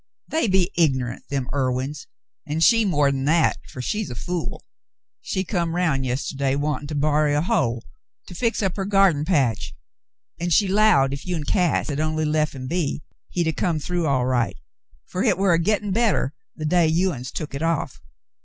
"They be ignorant, them Irwins, an' she's more'n that, fer she's a fool. She come round yest'day wantin' to borry a hoe to fix up her gyarden patch, an' she 'lowed ef you'n Cass had only lef ' him be, he'd 'a' come through all right, fer hit war a gettin' better the day you uns took hit off.